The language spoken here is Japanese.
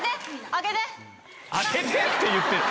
・「開けて」って言ってる！